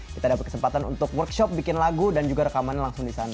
kita dapat kesempatan untuk workshop bikin lagu dan juga rekamannya langsung di sana